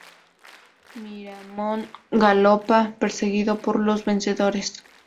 Miramón galopa, perseguido por los vencedores.